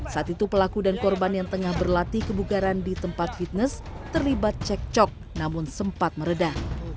saat itu pelaku dan korban yang tengah berlatih kebugaran di tempat fitness terlibat cek cok namun sempat meredah